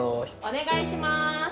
・お願いします！